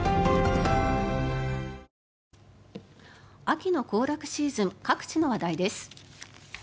秋の行楽シーズン各地の話題です。